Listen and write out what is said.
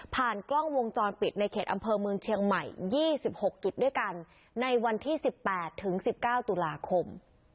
ผ่านกล้องวงจรปิดในเขตอำเภอเมืองเชียงใหม่ยี่สิบหกจุดด้วยกันในวันที่สิบแปดถึงสิบเก้าตุลาคม